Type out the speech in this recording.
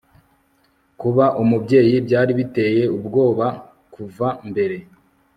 kuba umubyeyi byari biteye ubwoba kuva mbere